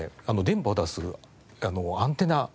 電波を出すアンテナ。